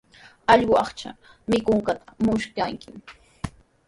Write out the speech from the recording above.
Allqu aycha mikunqanta musyankimi.